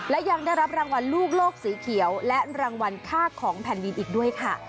และยังได้รับรางวัลลูกโลกสีเขียวและรางวัลค่าของแผ่นดินอีกด้วยค่ะ